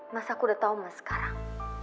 masa aku udah tau mas sekarang